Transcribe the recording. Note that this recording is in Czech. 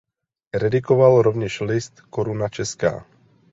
Redigoval rovněž list "Koruna Česká".